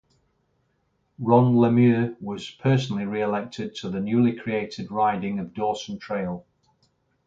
Ron Lemieux was personally re-elected to the newly created riding of Dawson Trail.